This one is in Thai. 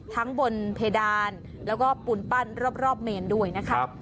ทั้งบนเพดานแล้วก็ปูนปั้นรอบเมนด้วยนะครับ